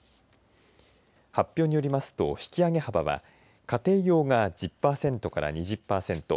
発表によりますと引き上げ幅は家庭用が１０パーセントから２０パーセント